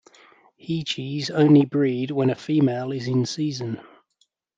Heechees only breed when a female is in season.